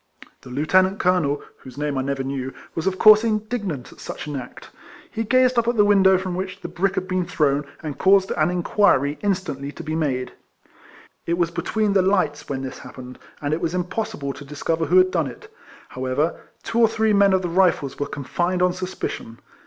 The lieutenant colonel (whose name I never knew,) was of course indignant at such an act ; he gazed up at the window from which the brick had been thrown, and caused an inquiry instantly to be made It H 2 148 RECOLLECTIONS OF was between the lights when this happened, and it was impossible to discover who had done it; liowever, two or three men of the Kifles wei'e confined on suspicion.